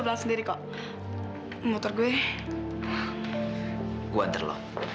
bisa lebih kajeng lagi gak